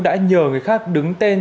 đã nhờ người khác đứng tên